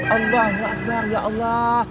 allahu akbar ya allah